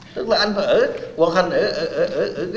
tức là anh phải ở hoàn thành ở